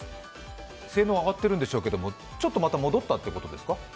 性能は上がっているんでしょうけども、ちょっとまた戻ったということですか？